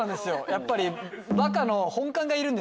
やっぱり。